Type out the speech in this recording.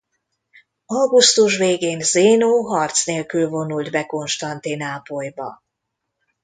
Augusztus végén Zénó harc nélkül vonult be Konstantinápolyba.